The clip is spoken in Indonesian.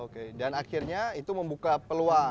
oke dan akhirnya itu membuka peluang